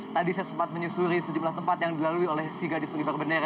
tadi saya sempat menyusuri sejumlah tempat yang dilalui oleh si gadis pengibar bendera